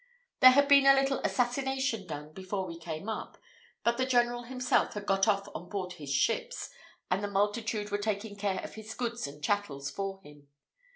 There had been a little assassination done before we came up; but the general himself had got off on board his ships, and the multitude were taking care of his goods and chattels for him.